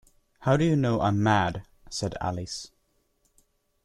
‘How do you know I’m mad?’ said Alice.